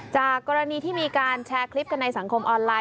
จากกรณีที่มีการแชร์คลิปกันในสังคมออนไลน